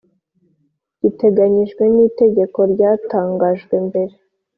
Giteganyijwe n itegeko ryatangajwe mbere